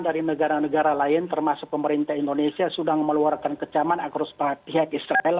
dari negara negara lain termasuk pemerintah indonesia sudah meluarkan kecaman akrospa pihak israel